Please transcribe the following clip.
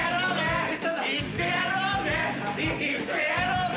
いってやろうぜ。